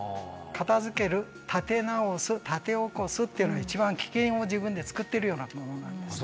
片づける立て直す立て起こすっていうのが一番危険を自分で作ってるようなものなんですね。